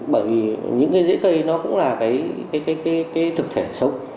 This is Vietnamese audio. bởi vì những cái dễ cây nó cũng là cái thực thể sống